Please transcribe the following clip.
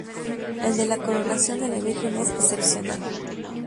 El de la Coronación de la Virgen es excepcional.